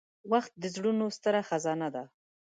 • وخت د زړونو ستره خزانه ده.